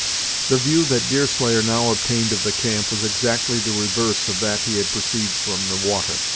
The view that Deerslayer now obtained of the camp was exactly the reverse of that he had perceived from the water.